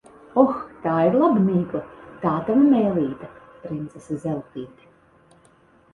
Oh, tā ir laba mīkla! Tā tava mēlīte, princese Zeltīte.